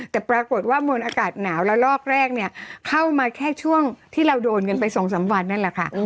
แต่ปรากฏว่ามวลอากาศหนาวแล้วลอกแรกเนี่ยเข้ามาแค่ช่วงที่เราโดนกันไป๒๓วันนั่นแหละค่ะ